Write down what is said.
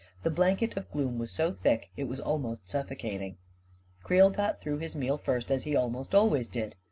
The blanket of gloom was so thick it was almost suffo cating I Creel got through his meal first, as he almost al ways did.